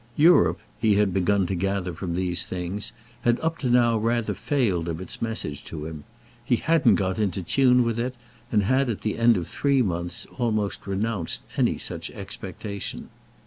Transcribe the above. "Europe," he had begun to gather from these things, had up to now rather failed of its message to him; he hadn't got into tune with it and had at the end of three months almost renounced any such expectation.